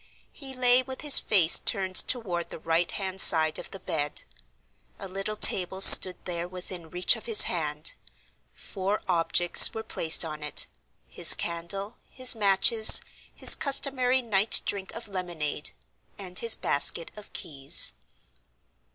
He lay with his face turned toward the right hand side of the bed. A little table stood there within reach of his hand. Four objects were placed on it; his candle, his matches, his customary night drink of lemonade, and his basket of keys.